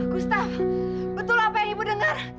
gustaf betul apa yang ibu dengar